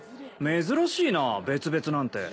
珍しいな別々なんて。